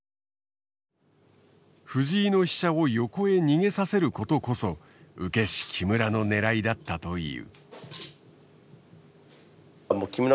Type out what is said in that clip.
藤井の飛車を横へ逃げさせることこそ受け師木村の狙いだったという。